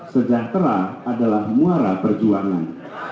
sejahtera adalah muara perjuangan